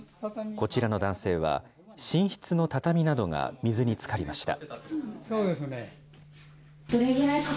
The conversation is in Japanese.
こちらの男性は、寝室の畳などが水につかりました。